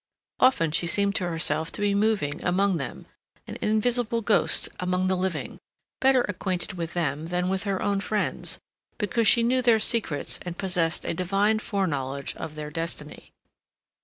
Often she had seemed to herself to be moving among them, an invisible ghost among the living, better acquainted with them than with her own friends, because she knew their secrets and possessed a divine foreknowledge of their destiny.